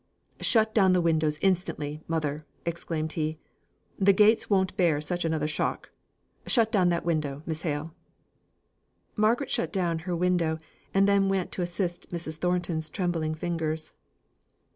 "Shut down the windows instantly, mother," exclaimed he: "the gates won't bear such another shock. Shut down that window, Miss Hale." Margaret shut down her window, and then went to assist Mrs. Thornton's trembling fingers.